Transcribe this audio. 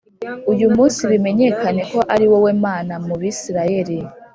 uyu munsi bimenyekane ko ari wowe Mana mu Bisirayeli